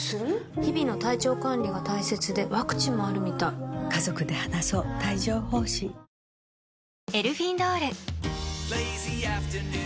日々の体調管理が大切でワクチンもあるみたい［有吉君たち